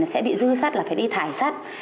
nó sẽ bị dư sắt là phải đi thải sát